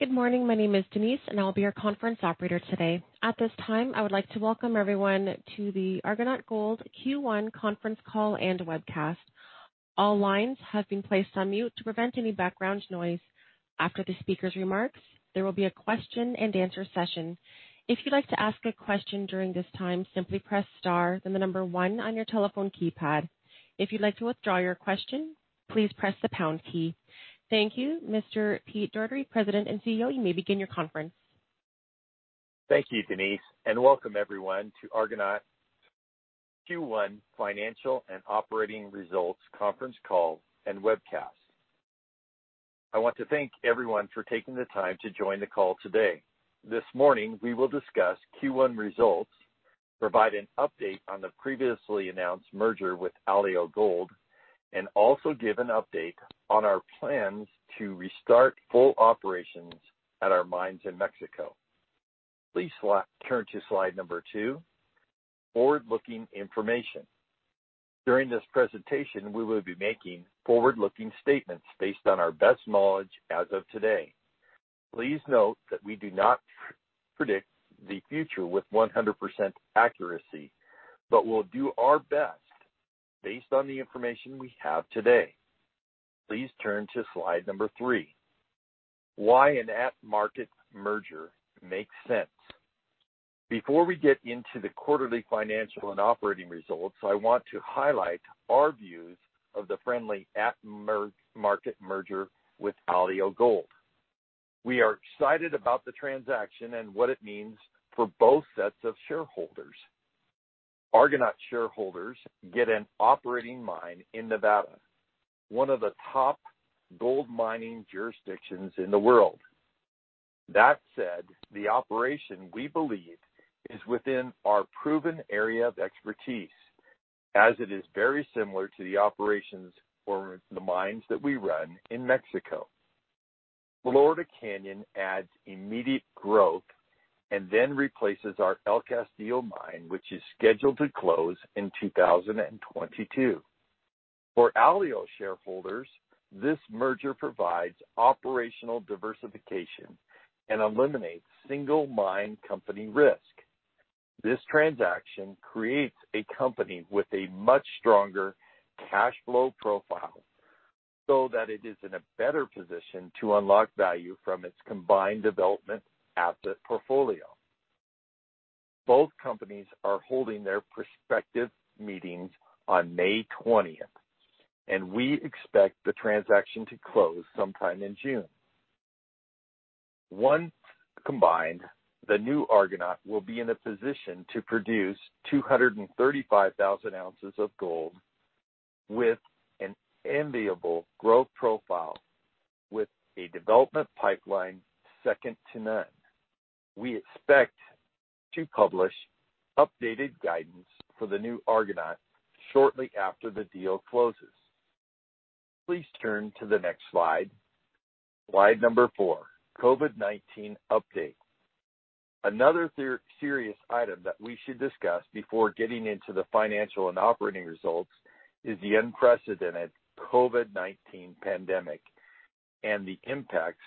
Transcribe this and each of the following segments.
Good morning. My name is Denise, and I'll be your conference operator today. At this time, I would like to welcome everyone to the Argonaut Gold Q1 conference call and webcast. All lines have been placed on mute to prevent any background noise. After the speaker's remarks, there will be a question and answer session. If you'd like to ask a question during this time, simply press star then the number one on your telephone keypad. If you'd like to withdraw your question, please press the pound key. Thank you, Mr. Peter Dougherty, President and CEO, you may begin your conference. Thank you, Denise, and welcome everyone to Argonaut's Q1 financial and operating results conference call and webcast. I want to thank everyone for taking the time to join the call today. This morning, we will discuss Q1 results, provide an update on the previously announced merger with Alio Gold, and also give an update on our plans to restart full operations at our mines in Mexico. Please turn to slide number two, forward-looking information. During this presentation, we will be making forward-looking statements based on our best knowledge as of today. Please note that we do not predict the future with 100% accuracy, we'll do our best based on the information we have today. Please turn to slide number three. Why an at-market merger makes sense. Before we get into the quarterly financial and operating results, I want to highlight our views of the friendly at-market merger with Alio Gold. We are excited about the transaction and what it means for both sets of shareholders. Argonaut shareholders get an operating mine in Nevada, one of the top gold mining jurisdictions in the world. That said, the operation, we believe, is within our proven area of expertise, as it is very similar to the operations for the mines that we run in Mexico. Florida Canyon adds immediate growth and then replaces our El Castillo mine, which is scheduled to close in 2022. For Alio shareholders, this merger provides operational diversification and eliminates single mine company risk. This transaction creates a company with a much stronger cash flow profile so that it is in a better position to unlock value from its combined development asset portfolio. Both companies are holding their prospective meetings on May 20, and we expect the transaction to close sometime in June. Once combined, the new Argonaut will be in a position to produce 235,000 oz of gold with an enviable growth profile with a development pipeline second to none. We expect to publish updated guidance for the new Argonaut shortly after the deal closes. Please turn to the next slide. Slide number four, COVID-19 update. Another serious item that we should discuss before getting into the financial and operating results is the unprecedented COVID-19 pandemic and the impacts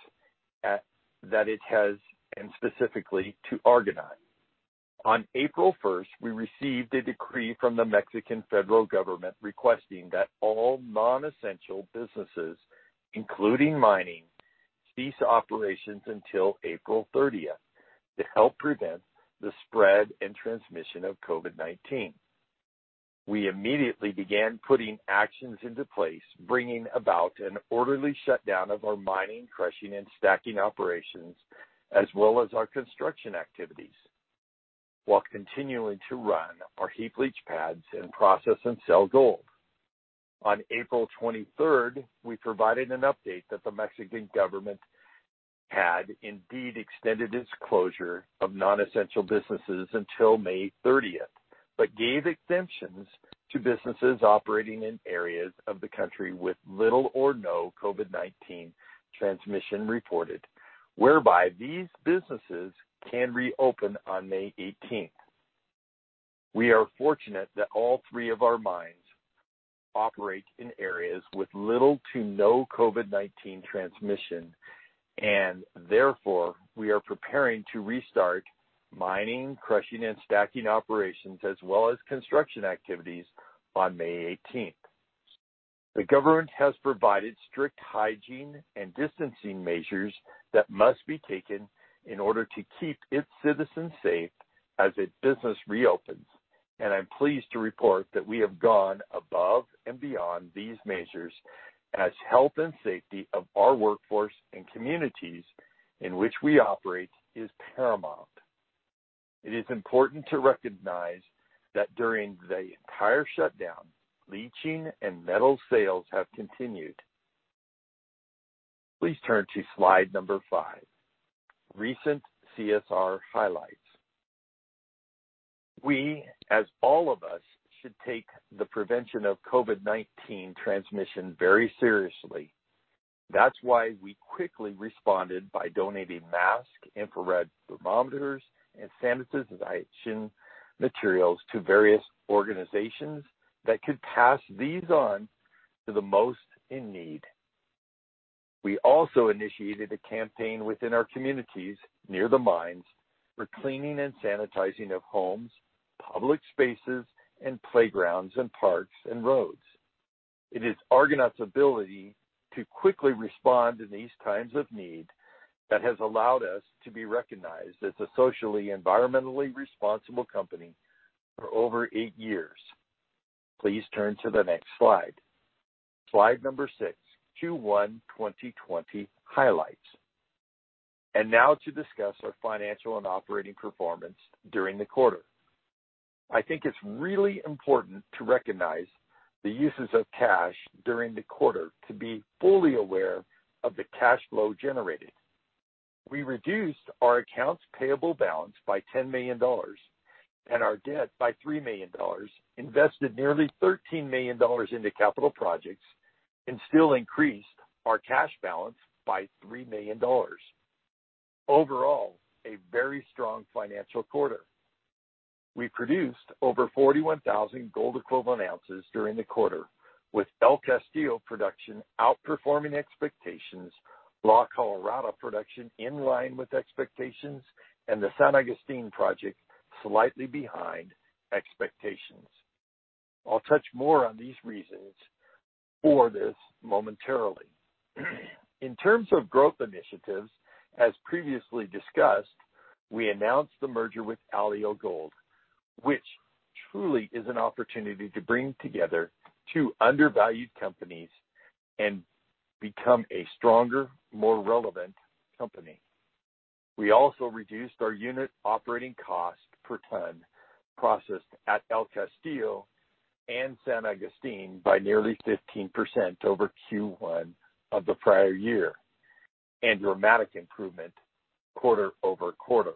that it has, and specifically to Argonaut. On April 1, we received a decree from the Mexican federal government requesting that all non-essential businesses, including mining, cease operations until April 30 to help prevent the spread and transmission of COVID-19. We immediately began putting actions into place, bringing about an orderly shutdown of our mining, crushing, and stacking operations, as well as our construction activities, while continuing to run our heap leach pads and process and sell gold. On April 23rd, we provided an update that the Mexican government had indeed extended its closure of non-essential businesses until May 30th but gave exemptions to businesses operating in areas of the country with little or no COVID-19 transmission reported, whereby these businesses can reopen on May 18th. We are fortunate that all three of our mines operate in areas with little to no COVID-19 transmission, and therefore, we are preparing to restart mining, crushing, and stacking operations as well as construction activities on May 18th. The government has provided strict hygiene and distancing measures that must be taken in order to keep its citizens safe as its business reopens. I'm pleased to report that we have gone above and beyond these measures as health and safety of our workforce and communities in which we operate is paramount. It is important to recognize that during the entire shutdown, leaching and metal sales have continued. Please turn to slide number five. Recent CSR highlights. We, as all of us, should take the prevention of COVID-19 transmission very seriously. That's why we quickly responded by donating masks, infrared thermometers, and sanitization materials to various organizations that could pass these on to the most in need. We also initiated a campaign within our communities, near the mines, for cleaning and sanitizing of homes, public spaces, and playgrounds and parks and roads. It is Argonaut's ability to quickly respond in these times of need that has allowed us to be recognized as a socially, environmentally responsible company for over eight years. Please turn to the next slide. Slide number six, Q1 2020 highlights. Now to discuss our financial and operating performance during the quarter. I think it's really important to recognize the uses of cash during the quarter to be fully aware of the cash flow generated. We reduced our accounts payable balance by $10 million and our debt by $3 million, invested nearly $13 million into capital projects and still increased our cash balance by $3 million. Overall, a very strong financial quarter. We produced over 41,000 gold equivalent ounces during the quarter, with El Castillo production outperforming expectations, La Colorada production in line with expectations, and the San Agustin project slightly behind expectations. I'll touch more on these reasons for this momentarily. In terms of growth initiatives, as previously discussed, we announced the merger with Alio Gold, which truly is an opportunity to bring together two undervalued companies and become a stronger, more relevant company. We also reduced our unit operating cost per ton processed at El Castillo and San Agustin by nearly 15% over Q1 of the prior year, and dramatic improvement quarter-over-quarter,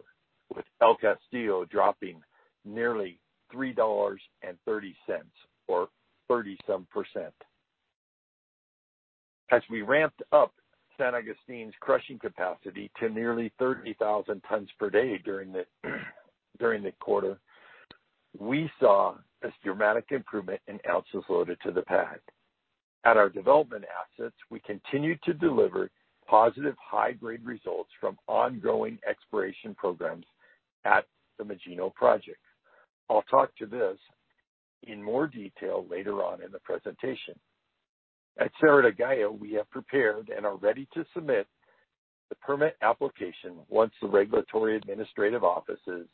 with El Castillo dropping nearly $3.30 or 30%-some. As we ramped up San Agustin's crushing capacity to nearly 30,000 tons per day during the quarter, we saw a dramatic improvement in ounces loaded to the pad. At our development assets, we continued to deliver positive high-grade results from ongoing exploration programs at the Magino project. I'll talk to this in more detail later on in the presentation. At Cerro del Gallo, we have prepared and are ready to submit the permit application once the regulatory administrative offices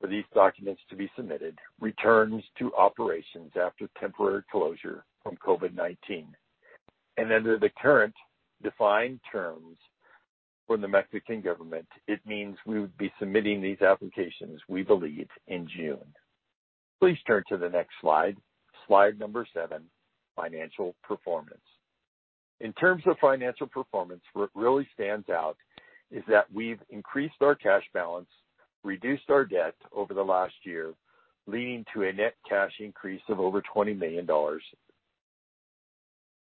for these documents to be submitted returns to operations after temporary closure from COVID-19. Under the current defined terms for the Mexican government, it means we would be submitting these applications, we believe, in June. Please turn to the next slide. Slide number seven, financial performance. In terms of financial performance, what really stands out is that we've increased our cash balance, reduced our debt over the last year, leading to a net cash increase of over $20 million.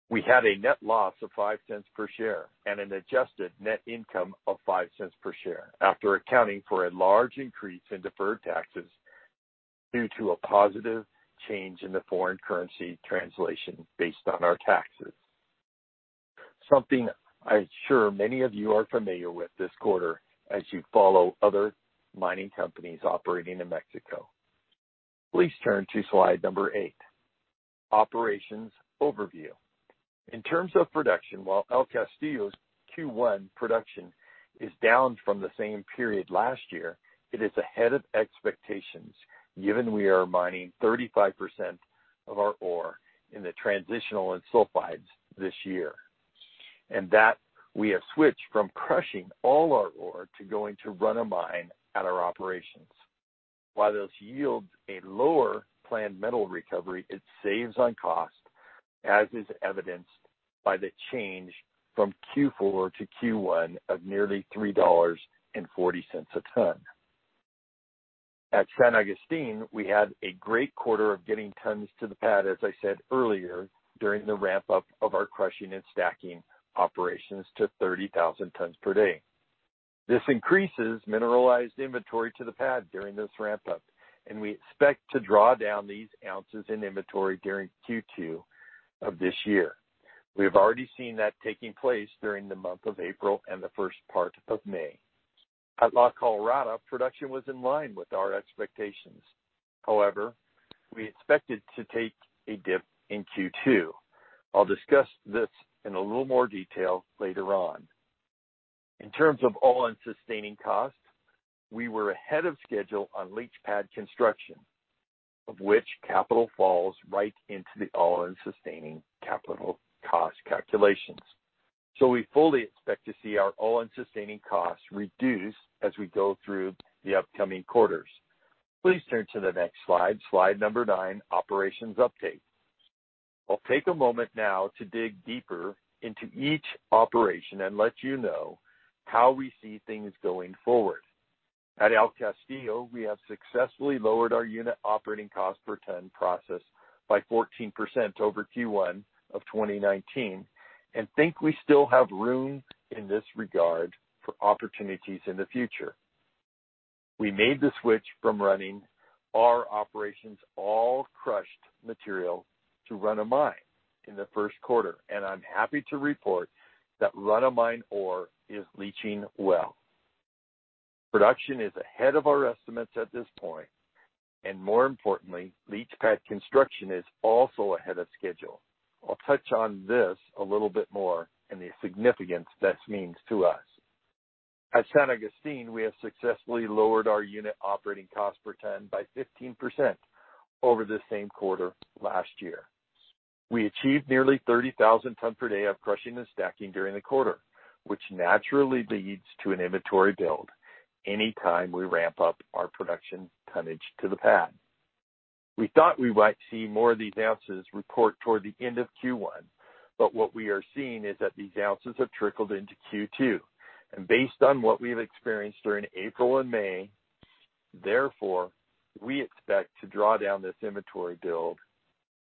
We had a net loss of $0.05 per share and an adjusted net income of $0.05 per share after accounting for a large increase in deferred taxes due to a positive change in the foreign currency translation based on our taxes. Something I assure many of you are familiar with this quarter as you follow other mining companies operating in Mexico. Please turn to slide number eight, operations overview. In terms of production, while El Castillo's Q1 production is down from the same period last year, it is ahead of expectations, given we are mining 35% of our ore in the transitional and sulfides this year, and that we have switched from crushing all our ore to going to run-of-mine at our operations. While this yields a lower planned metal recovery, it saves on cost, as is evidenced by the change from Q4 to Q1 of nearly $3.40 a ton. At San Agustin, we had a great quarter of getting tons to the pad, as I said earlier, during the ramp-up of our crushing and stacking operations to 30,000 tons per day. This increases mineralized inventory to the pad during this ramp-up, and we expect to draw down these ounces in inventory during Q2 of this year. We have already seen that taking place during the month of April and the first part of May. At La Colorada, production was in line with our expectations. However, we expected to take a dip in Q2. I'll discuss this in a little more detail later on. In terms of all-in sustaining costs, we were ahead of schedule on leach pad construction, of which capital falls right into the all-in sustaining capital cost calculations. We fully expect to see our all-in sustaining costs reduce as we go through the upcoming quarters. Please turn to the next slide. Slide number nine, operations update. I'll take a moment now to dig deeper into each operation and let you know how we see things going forward. At El Castillo, we have successfully lowered our unit operating cost per ton process by 14% over Q1 of 2019, and think we still have room in this regard for opportunities in the future. We made the switch from running our operations all crushed material to run-of-mine in the first quarter. I'm happy to report that run-of-mine ore is leaching well. Production is ahead of our estimates at this point. More importantly, leach pad construction is also ahead of schedule. I'll touch on this a little bit more and the significance this means to us. At San Agustin, we have successfully lowered our unit operating cost per ton by 15% over the same quarter last year. We achieved nearly 30,000 tons per day of crushing and stacking during the quarter, which naturally leads to an inventory build any time we ramp up our production tonnage to the pad. We thought we might see more of these ounces report toward the end of Q1, but what we are seeing is that these ounces have trickled into Q2. Based on what we've experienced during April and May, therefore, we expect to draw down this inventory build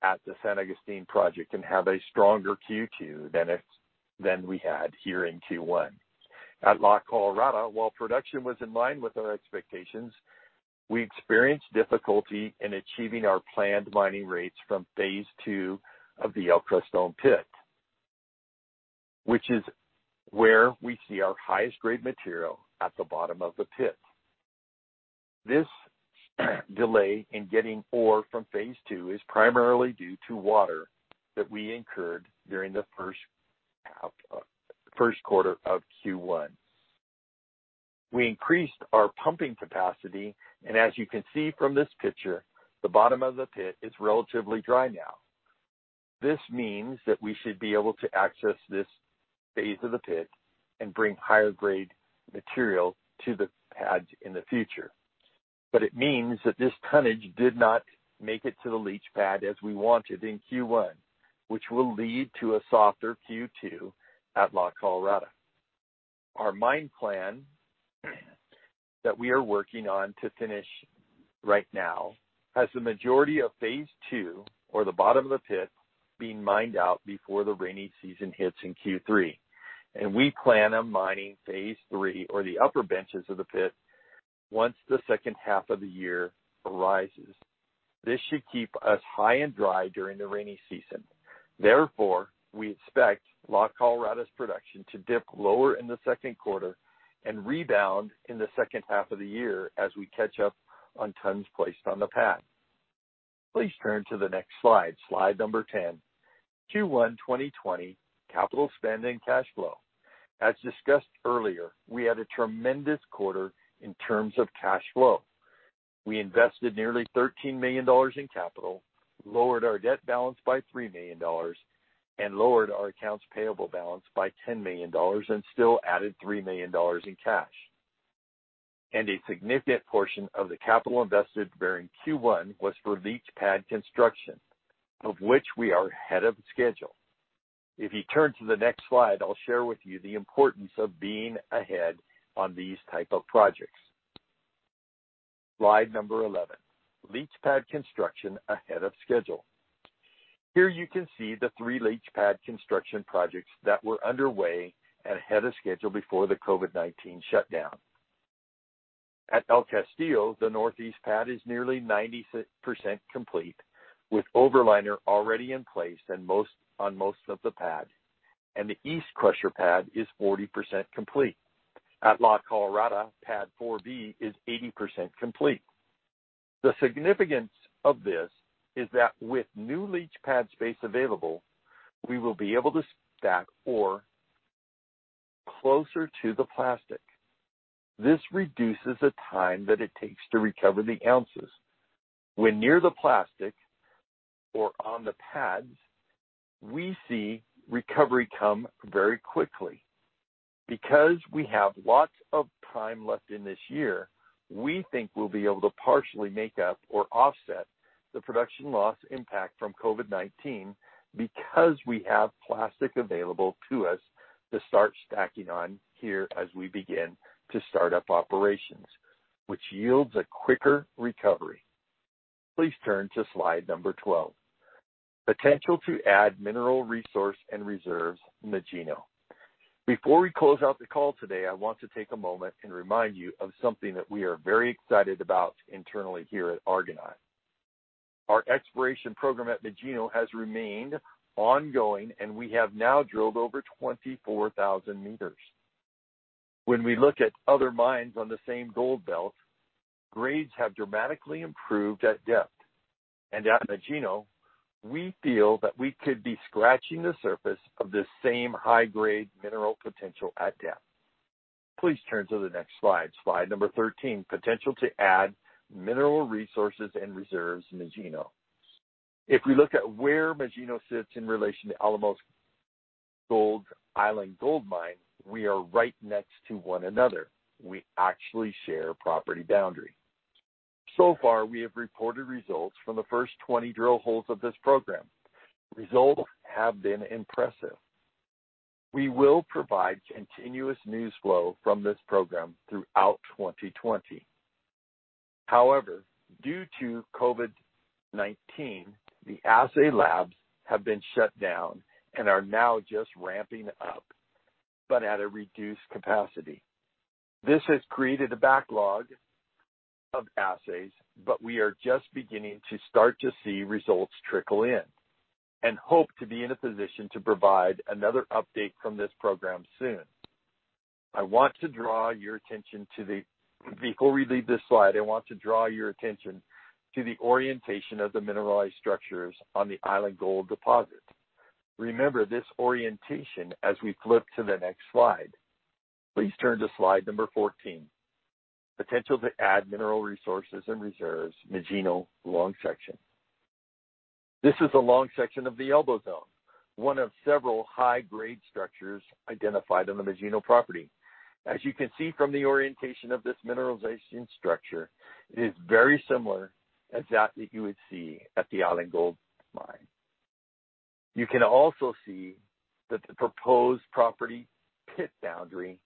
at the San Agustin project and have a stronger Q2 than we had here in Q1. At La Colorada, while production was in line with our expectations, we experienced difficulty in achieving our planned mining rates from phase two of the El Creston pit, which is where we see our highest grade material at the bottom of the pit. This delay in getting ore from phase two is primarily due to water that we incurred during the first quarter of Q1. We increased our pumping capacity, and as you can see from this picture, the bottom of the pit is relatively dry now. This means that we should be able to access this phase of the pit and bring higher grade material to the pads in the future. It means that this tonnage did not make it to the leach pad as we wanted in Q1, which will lead to a softer Q2 at La Colorada. Our mine plan that we are working on to finish right now has the majority of phase two, or the bottom of the pit, being mined out before the rainy season hits in Q3. We plan on mining phase three or the upper benches of the pit, once the second half of the year arises. This should keep us high and dry during the rainy season. We expect La Colorada's production to dip lower in the second quarter and rebound in the second half of the year as we catch up on tons placed on the pad. Please turn to the next slide number 10. Q1 2020 capital spend and cash flow. As discussed earlier, we had a tremendous quarter in terms of cash flow. We invested nearly $13 million in capital, lowered our debt balance by $3 million and lowered our accounts payable balance by $10 million and still added $3 million in cash. A significant portion of the capital invested during Q1 was for leach pad construction, of which we are ahead of schedule. If you turn to the next slide, I'll share with you the importance of being ahead on these type of projects. Slide number 11, leach pad construction ahead of schedule. Here you can see the three leach pad construction projects that were underway and ahead of schedule before the COVID-19 shutdown. At El Castillo, the northeast pad is nearly 96% complete, with overliner already in place on most of the pad, and the east crusher pad is 40% complete. At La Colorada, pad 4B is 80% complete. The significance of this is that with new leach pad space available, we will be able to stack ore closer to the plastic. This reduces the time that it takes to recover the ounces. When near the plastic or on the pads, we see recovery come very quickly. Because we have lots of time left in this year, we think we'll be able to partially make up or offset the production loss impact from COVID-19 because we have plastic available to us to start stacking on here as we begin to start up operations, which yields a quicker recovery. Please turn to slide number 12, potential to add mineral resource and reserves, Magino. Before we close out the call today, I want to take a moment and remind you of something that we are very excited about internally here at Argonaut. Our exploration program at Magino has remained ongoing, and we have now drilled over 24,000 meters. When we look at other mines on the same gold belt, grades have dramatically improved at depth. At Magino, we feel that we could be scratching the surface of this same high-grade mineral potential at depth. Please turn to the next slide number 13, potential to add mineral resources and reserves, Magino. If we look at where Magino sits in relation to Alamos Gold's Island Gold mine, we are right next to one another. We actually share a property boundary. So far, we have reported results from the first 20 drill holes of this program. Results have been impressive. We will provide continuous news flow from this program throughout 2020. However, due to COVID-19, the assay labs have been shut down and are now just ramping up, but at a reduced capacity. This has created a backlog of assays, but we are just beginning to start to see results trickle in and hope to be in a position to provide another update from this program soon. Before we leave this slide, I want to draw your attention to the orientation of the mineralized structures on the Island Gold mine. Remember this orientation as we flip to the next slide. Please turn to slide number 14, potential to add mineral resources and reserves, Magino long section. This is a long section of the Elbow Zone, one of several high-grade structures identified on the Magino property. As you can see from the orientation of this mineralization structure, it is very similar, exactly what you would see at the Island Gold mine. You can also see that the proposed property pit boundary,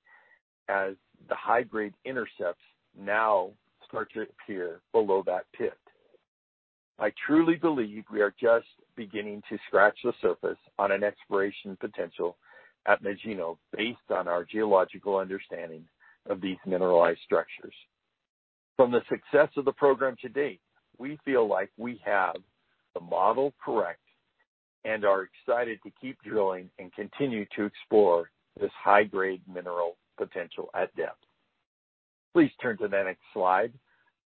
as the high-grade intercepts now start to appear below that pit. I truly believe we are just beginning to scratch the surface on an exploration potential at Magino based on our geological understanding of these mineralized structures. From the success of the program to date, we feel like we have the model correct and are excited to keep drilling and continue to explore this high-grade mineral potential at depth. Please turn to the next slide.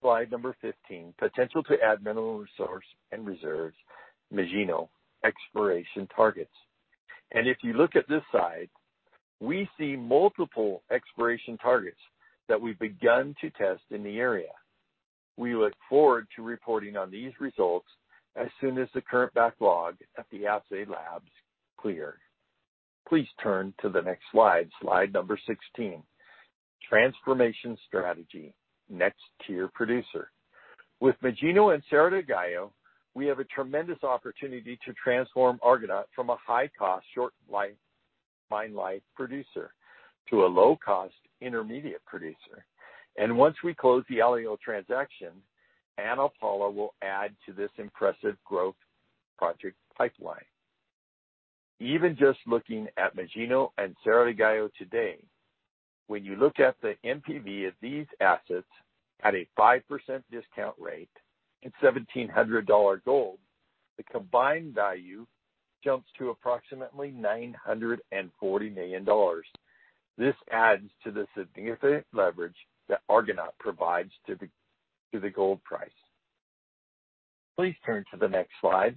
Slide number 15, potential to add mineral resource and reserves, Magino exploration targets. If you look at this slide, we see multiple exploration targets that we've begun to test in the area. We look forward to reporting on these results as soon as the current backlog at the assay labs clear. Please turn to the next slide. Slide number 16, transformation strategy, next tier producer. With Magino and Cerro del Gallo, we have a tremendous opportunity to transform Argonaut from a high-cost, short mine life producer to a low-cost intermediate producer. Once we close the Alio transaction, Ana Paula will add to this impressive growth project pipeline. Even just looking at Magino and Cerro del Gallo today, when you look at the NPV of these assets at a 5% discount rate and $1,700 gold, the combined value jumps to approximately $940 million. This adds to the significant leverage that Argonaut provides to the gold price. Please turn to the next slide.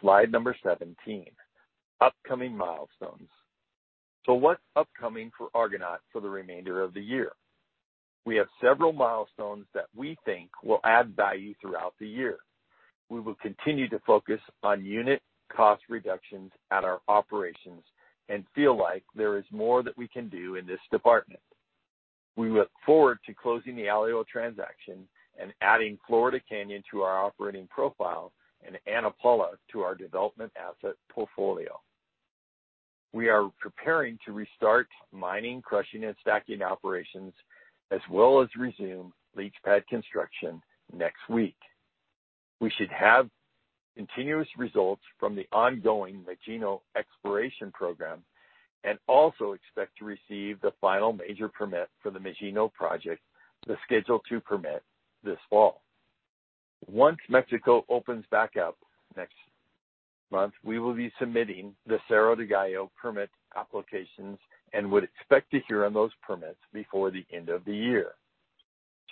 Slide number 17, upcoming milestones. What's upcoming for Argonaut for the remainder of the year? We have several milestones that we think will add value throughout the year. We will continue to focus on unit cost reductions at our operations and feel like there is more that we can do in this department. We look forward to closing the Alio transaction and adding Florida Canyon to our operating profile and Ana Paula to our development asset portfolio. We are preparing to restart mining, crushing, and stacking operations, as well as resume leach pad construction next week. We should have continuous results from the ongoing Magino exploration program and also expect to receive the final major permit for the Magino project, the Schedule two permit, this fall. Once Mexico opens back up next month, we will be submitting the Cerro del Gallo permit applications and would expect to hear on those permits before the end of the year.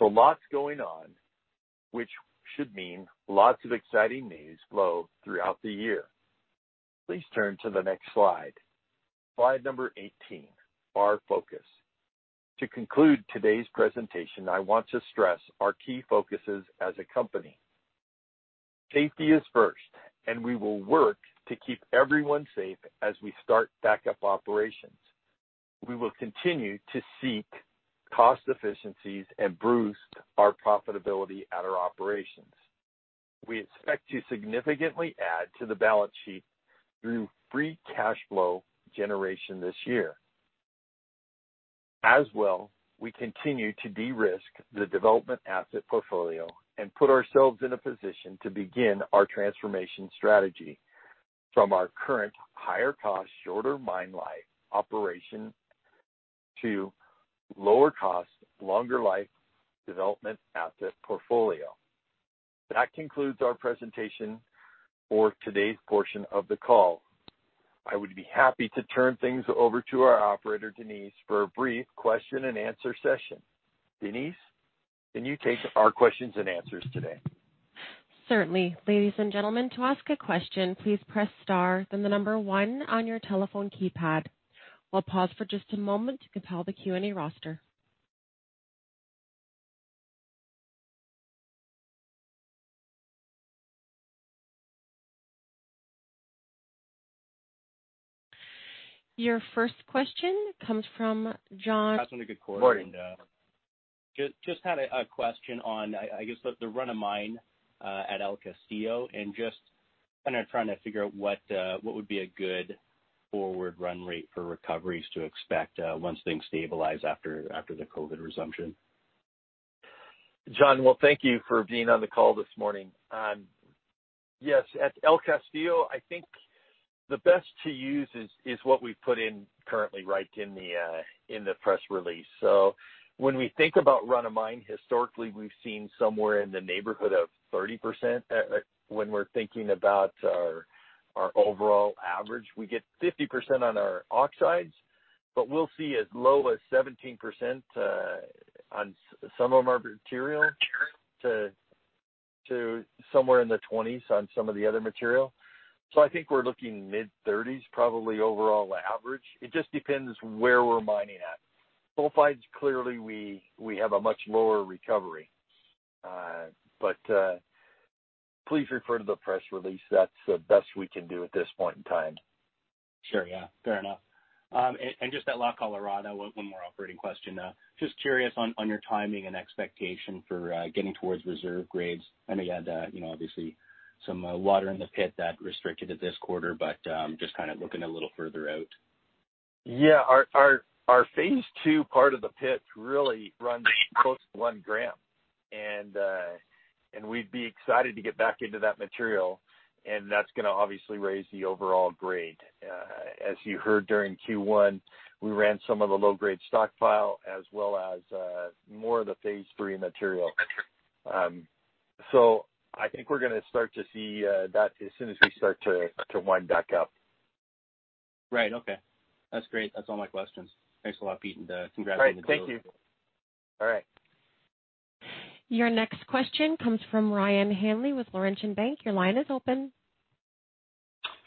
Lots going on, which should mean lots of exciting news flow throughout the year. Please turn to the next slide. Slide number 18, our focus. To conclude today's presentation, I want to stress our key focuses as a company. Safety is first, and we will work to keep everyone safe as we start back up operations. We will continue to seek cost efficiencies and boost our profitability at our operations. We expect to significantly add to the balance sheet through free cash flow generation this year. As well, we continue to de-risk the development asset portfolio and put ourselves in a position to begin our transformation strategy from our current higher cost, shorter mine life operation to lower cost, longer life development asset portfolio. That concludes our presentation for today's portion of the call. I would be happy to turn things over to our operator, Denise, for a brief question and answer session. Denise, can you take our questions and answers today? Certainly. Ladies and gentlemen, to ask a question, please press star, then the number one on your telephone keypad. We'll pause for just a moment to compile the Q&A roster. Your first question comes from John. Morning. Just had a question on, I guess, the run-of-mine at El Castillo and kind of trying to figure out what would be a good forward run rate for recoveries to expect once things stabilize after the COVID-19 resumption. John, well, thank you for being on the call this morning. Yes, at El Castillo, I think the best to use is what we've put in currently right in the press release. When we think about run-of-mine, historically, we've seen somewhere in the neighborhood of 30% when we're thinking about our overall average. We get 50% on our oxides. We'll see as low as 17% on some of our material to somewhere in the 20s on some of the other material. I think we're looking mid-30s, probably overall average. It just depends where we're mining at. Sulfides, clearly we have a much lower recovery. Please refer to the press release. That's the best we can do at this point in time. Sure. Yeah. Fair enough. Just at La Colorada, one more operating question. Just curious on your timing and expectation for getting towards reserve grades. I know you had, obviously, some water in the pit that restricted it this quarter, but just kind of looking a little further out. Yeah. Our phase two part of the pit really runs close to one gram. We'd be excited to get back into that material, and that's going to obviously raise the overall grade. As you heard during Q1, we ran some of the low-grade stockpile as well as more of the phase-three material. I think we're going to start to see that as soon as we start to wind back up. Right. Okay. That's great. That's all my questions. Thanks a lot, Peter, and congrats on the deal. All right. Thank you. All right. Your next question comes from Ryan Hanley with Laurentian Bank. Your line is open.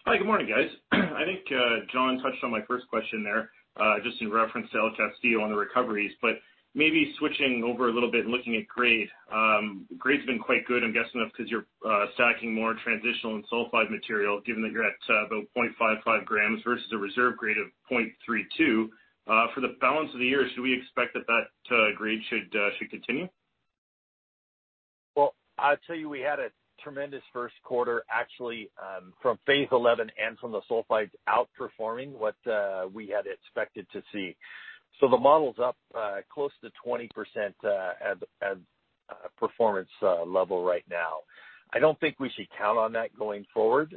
Hi. Good morning, guys. I think John touched on my first question there, just in reference to El Castillo on the recoveries. Maybe switching over a little bit and looking at grade. Grade's been quite good, I'm guessing, because you're stacking more transitional and sulfide material, given that you're at about 0.55 grams versus a reserve grade of 0.32. For the balance of the year, should we expect that that grade should continue? Well, I'll tell you, we had a tremendous first quarter, actually, from phase 11 and from the sulfides outperforming what we had expected to see. The model's up close to 20% as a performance level right now. I don't think we should count on that going forward.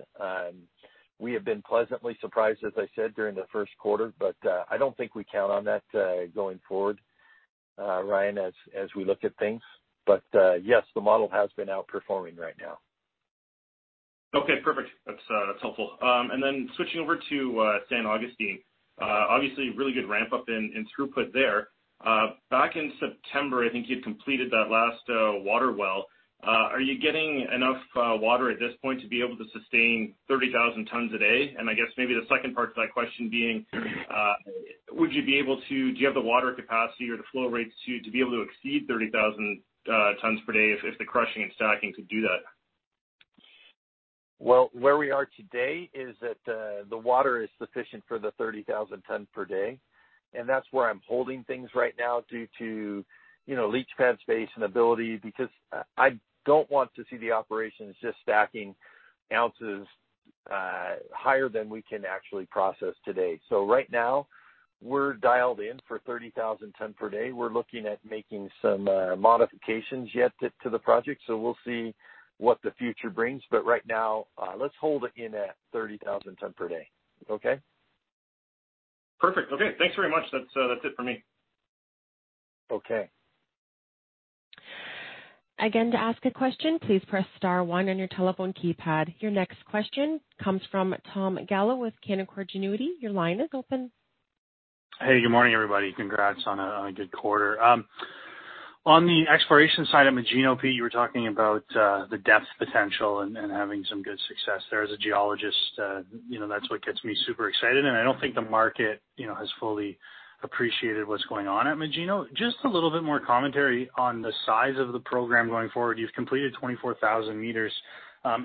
We have been pleasantly surprised, as I said, during the first quarter, but I don't think we count on that going forward, Ryan, as we look at things. Yes, the model has been outperforming right now. Okay, perfect. That's helpful. Switching over to San Agustin. Obviously, really good ramp-up in throughput there. Back in September, I think you'd completed that last water well. Are you getting enough water at this point to be able to sustain 30,000 tons a day? I guess maybe the second part to that question being, do you have the water capacity or the flow rates to be able to exceed 30,000 tons per day if the crushing and stacking could do that? Well, where we are today is that the water is sufficient for the 30,000 tons per day, and that's where I'm holding things right now due to leach pad space and ability, because I don't want to see the operations just stacking ounces higher than we can actually process today. Right now, we're dialed in for 30,000 ton per day. We're looking at making some modifications yet to the project, we'll see what the future brings. Right now, let's hold it in at 30,000 ton per day. Okay? Perfect. Okay. Thanks very much. That's it for me. Okay. Again, to ask a question, please press star one on your telephone keypad. Your next question comes from Tom Gallo with Canaccord Genuity. Your line is open. Hey, good morning, everybody. Congrats on a good quarter. On the exploration side at Magino, Pete, you were talking about the depth potential and having some good success there. As a geologist that's what gets me super excited. I don't think the market has fully appreciated what's going on at Magino. Just a little bit more commentary on the size of the program going forward. You've completed 24,000 meters.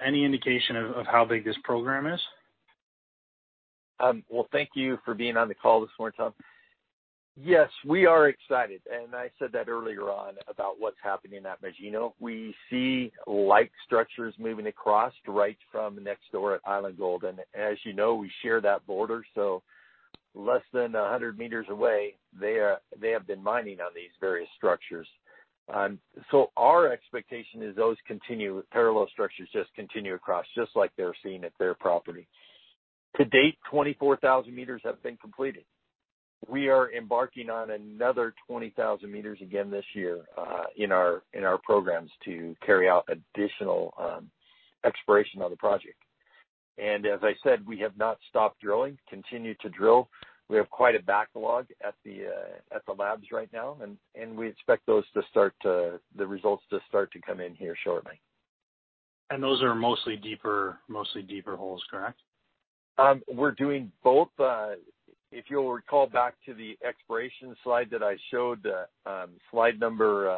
Any indication of how big this program is? Well, thank you for being on the call this morning, Tom. Yes, we are excited, and I said that earlier on about what's happening at Magino. We see like structures moving across right from next door at Island Gold, and as you know, we share that border, so less than 100 meters away, they have been mining on these various structures. Our expectation is those parallel structures just continue across, just like they're seeing at their property. To date, 24,000 meters have been completed. We are embarking on another 20,000 meters again this year in our programs to carry out additional exploration on the project. As I said, we have not stopped drilling, continue to drill. We have quite a backlog at the labs right now, and we expect the results to start to come in here shortly. Those are mostly deeper holes, correct? We're doing both. If you'll recall back to the exploration slide that I showed, slide number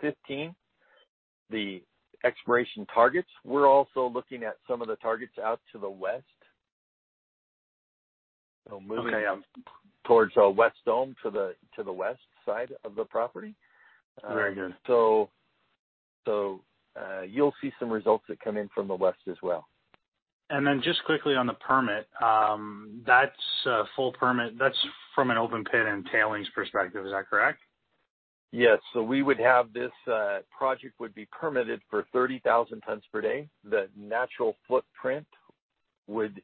15, the exploration targets. We're also looking at some of the targets out to the west. Moving towards our west dome to the west side of the property. Very good. You'll see some results that come in from the west as well. Just quickly on the permit. That's a full permit. That's from an open pit and tailings perspective, is that correct? Yes. We would have this project would be permitted for 30,000 tons per day. The natural footprint would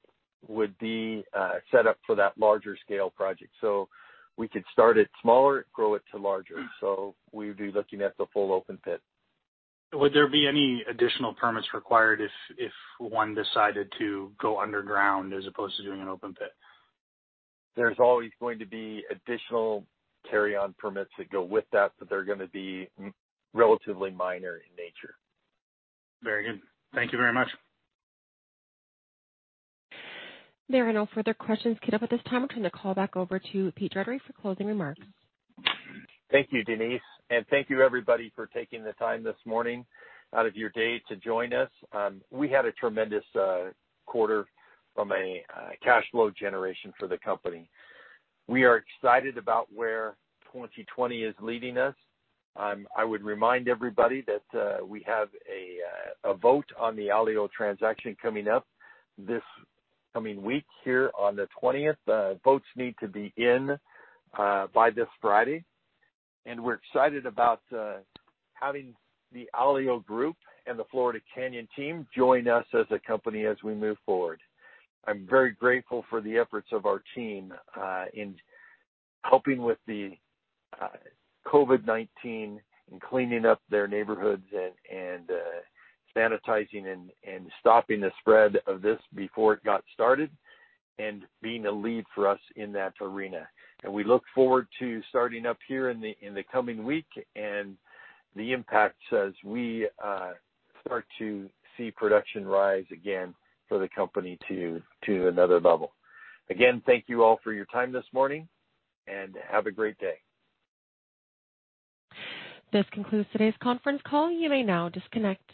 be set up for that larger scale project. We could start it smaller, grow it to larger. We would be looking at the full open pit. Would there be any additional permits required if one decided to go underground as opposed to doing an open pit? There's always going to be additional carry-on permits that go with that, but they're going to be relatively minor in nature. Very good. Thank you very much. There are no further questions queued up at this time. I'll turn the call back over to Peter Dougherty for closing remarks. Thank you, Denise. Thank you everybody for taking the time this morning out of your day to join us. We had a tremendous quarter from a cash flow generation for the company. We are excited about where 2020 is leading us. I would remind everybody that we have a vote on the Alio transaction coming up this coming week here on the 20th. Votes need to be in by this Friday. We're excited about having the Alio group and the Florida Canyon team join us as a company as we move forward. I'm very grateful for the efforts of our team in helping with the COVID-19 and cleaning up their neighborhoods and sanitizing and stopping the spread of this before it got started and being a lead for us in that arena. We look forward to starting up here in the coming week and the impacts as we start to see production rise again for the company to another level. Thank you all for your time this morning, and have a great day. This concludes today's conference call. You may now disconnect.